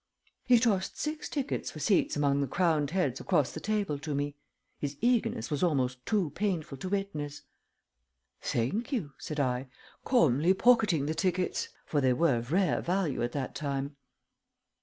He tossed six tickets for seats among the crowned heads across the table to me. His eagerness was almost too painful to witness. "Thank you," said I, calmly pocketing the tickets, for they were of rare value at that time.